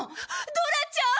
ドラちゃん！